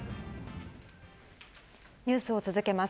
ニュースを続けます。